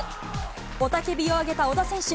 雄たけびを上げた小田選手。